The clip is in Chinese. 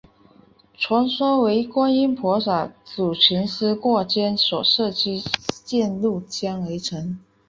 传说为观音菩萨阻群狮过江所射之箭入江而成。